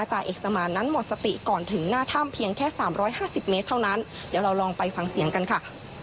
จ่าเอกสมานนั้นหมดสติก่อนถึงหน้าถ้ำเพียงแค่สามร้อยห้าสิบเมตรเท่านั้นเดี๋ยวเราลองไปฟังเสียงกันค่ะ